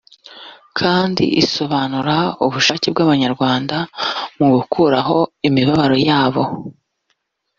kandi isobanura ubushake bw’Abanyarwanda mu gukuraho imibabaro yabo